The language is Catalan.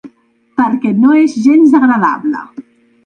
Perquè no és gens agradable.